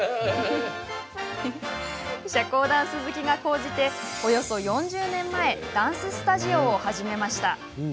社交ダンス好きが高じておよそ４０年前ダンススタジオを始めました。